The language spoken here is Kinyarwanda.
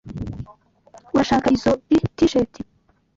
Urashaka izoi T-shirt?